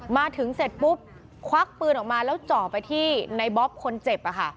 มาถึงเสร็จปุ๊บควักปืนออกมาแล้วเจาะไปที่ในบ๊อบคนเจ็บ